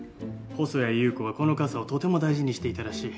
細谷優子はこの傘をとても大事にしていたらしい。